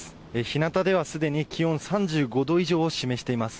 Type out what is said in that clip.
日向ではすでに気温３５度以上を示しています。